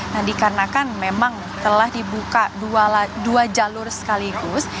nah dikarenakan memang telah dibuka dua jalur sekaligus